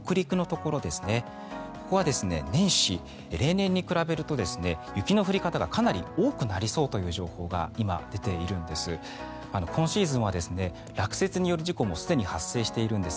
ここは年始、例年に比べると雪の降り方がかなり多くなりそうという情報が今、出ているんです。